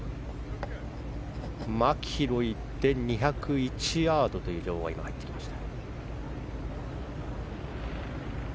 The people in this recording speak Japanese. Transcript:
マキロイで２０１ヤードという情報が入ってきました。